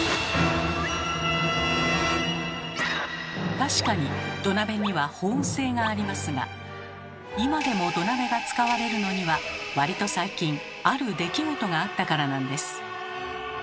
確かに土鍋には保温性がありますが今でも土鍋が使われるのには割と最近ある出来事があったからなんです。